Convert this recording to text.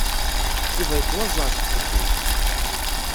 Yuba yettwaẓẓeɛ seg uxeddim.